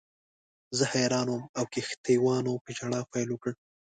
زه حیران وم او کښتۍ وانانو په ژړا پیل وکړ.